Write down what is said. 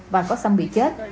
và có xăm bị chết